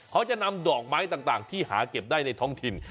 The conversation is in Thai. เขาจะนำดอกไม้ต่างที่หาเก็บได้ในท้องถิ่น